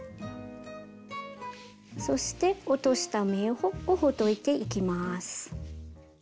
そして落とした目をほどいていきます。